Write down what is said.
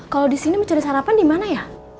kalo disini mau cari sarapan dimana ya